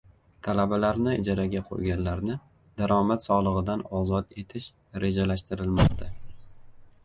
Talabalarni ijaraga qo‘yganlarni daromad solig‘idan ozod etish rejalashtirilmoqda